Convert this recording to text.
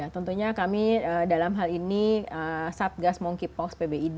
tentunya kami dalam hal ini satgas monkeypox pbid